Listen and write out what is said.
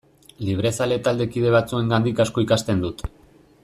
Librezale taldekide batzuengandik asko ikasten dut.